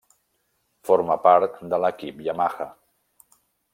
Forma part de l'equip Yamaha.